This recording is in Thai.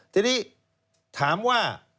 ทีนี้ถามว่า